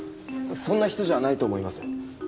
そんな人じゃないと思います。